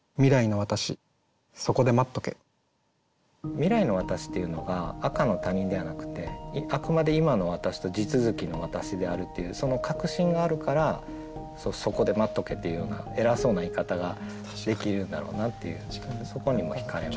「未来の私」っていうのが赤の他人ではなくてあくまで今の私と地続きの私であるっていうその確信があるから「そこで待っとけ」っていうような偉そうな言い方ができるんだろうなっていうそこにもひかれました。